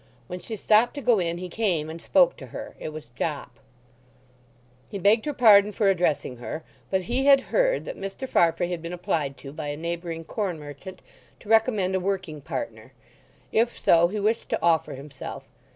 When she stopped to go in he came and spoke to her. It was Jopp. He begged her pardon for addressing her. But he had heard that Mr. Farfrae had been applied to by a neighbouring corn merchant to recommend a working partner; if so he wished to offer himself.